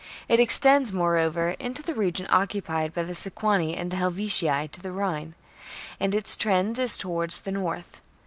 It extends, moreover, in the region occupied by the Sequani and the Helvetii, to the Rhine ; and its trend is towards the north.